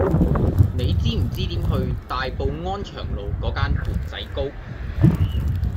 你知唔知點去大埔安祥路嗰間缽仔糕